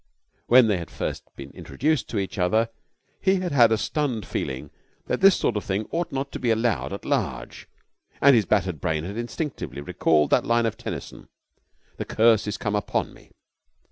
When they had first been introduced to each other he had had a stunned feeling that this sort of thing ought not to be allowed at large, and his battered brain had instinctively recalled that line of Tennyson: 'The curse is come upon me.'